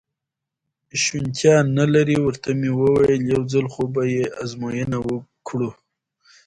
شونېتیا نه لري، ورته مې وویل: یو ځل خو به یې ازموینه کړو.